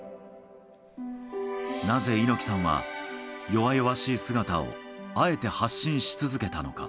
なぜ猪木さんは、弱々しい姿をあえて発信し続けたのか。